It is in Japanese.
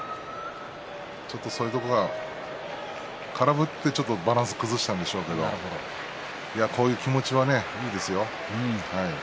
ちょっとそういうところが空振ってバランスを崩したんでしょうけどこういう気持ちはいいですよ。